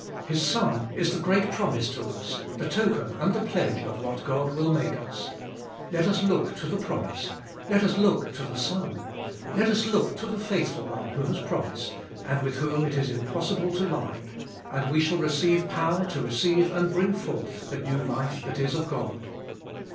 His Son is the great promise to us, the token and the pledge of what God will make us. Let us look to the promise, let us look to the Son, let us look to the faithful One who has promised, and with whom it is impossible to lie, and we shall receive power 444 abe f>olfe0t of to receive and bring forth the new life that is of God.